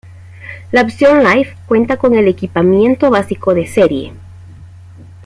La opción "Life" cuenta con el equipamiento básico de serie.